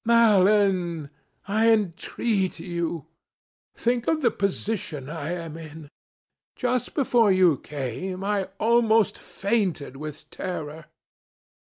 "Alan, I entreat you. Think of the position I am in. Just before you came I almost fainted with terror.